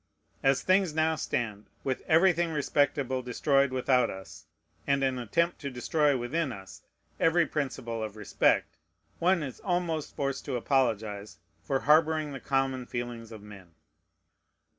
As things now stand, with everything respectable destroyed without us, and an attempt to destroy within us every principle of respect, one is almost forced to apologize for harboring the common feelings of men.